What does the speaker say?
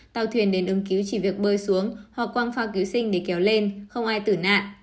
tàu thuyền đến ứng cứu chỉ việc bơi xuống hoặc quang phao cứu sinh để kéo lên không ai tử nạn